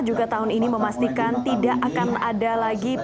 juga tahun ini memastikan tidak akan ada lagi pembentas stabilitas selama periode natal dan